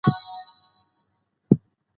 زه هر ماښام د خپلې روغتیا لپاره سپورت کووم